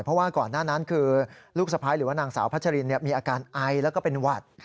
เพราะว่าก่อนหน้านั้นคือลูกสะพ้ายหรือว่านางสาวพัชรินมีอาการไอแล้วก็เป็นหวัด